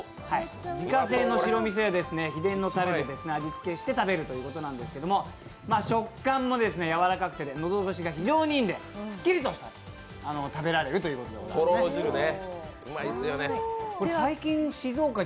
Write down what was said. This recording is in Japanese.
自家製の白みそや秘伝のたれで味付けして食べるということですが、食感もやわらかくてのどごしが非常にいいんでスッキリと食べられるということですね。